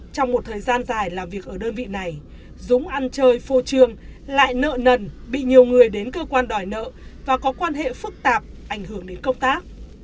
trong một thời gian dài làm việc ở đơn vị này dũng ăn chơi phô trương lại nợ nần bị nhiều người đến cơ quan đòi nợ và có quan hệ phức tạp ảnh hưởng đến công tác